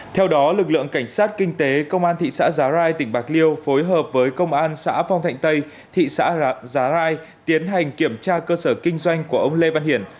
theo đó lực lượng cảnh sát kinh tế công an thị xã giá rai tỉnh bạc liêu phối hợp với công an xã phong thạnh tây thị xã giá rai tiến hành kiểm tra cơ sở kinh doanh của ông lê văn hiển